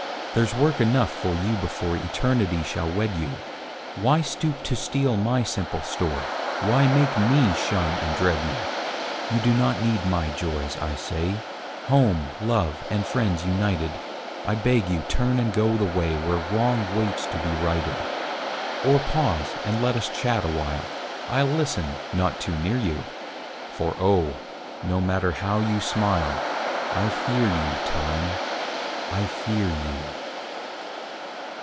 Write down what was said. There's work enough for you before Eternity shall wed you: Why stoop to steal my simple store? Why make me shun and dread you? You do not need my joys, I say, Home, love, and friends united— I beg you turn and go the way Where wrong waits to be righted; Or pause, and let us chat a while: I'll listen—not too near you, For oh! no matter how you smile, I fear you, Time, I fear you!